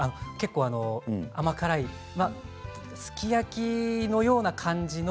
甘辛いすき焼きのような感じの。